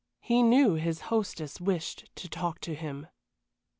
He knew his hostess wished to talk to him.